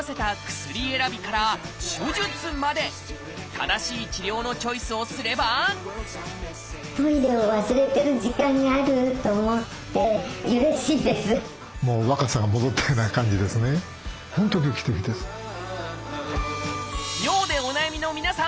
正しい治療のチョイスをすれば尿でお悩みの皆さん！